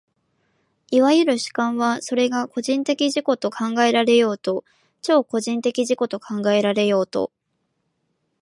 いわゆる主観は、それが個人的自己と考えられようと超個人的自己と考えられようと、